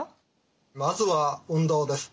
まずは運動です。